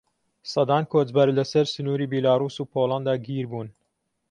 سەدان کۆچبەر لەسەر سنووری بیلاڕووس و پۆلەندا گیر بوون.